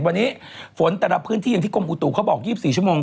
วันนี้ฝนแต่ละพื้นที่อย่างที่กรมอุตุเขาบอก๒๔ชั่วโมง